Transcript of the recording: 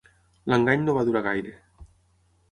L'engany no va durar gaire.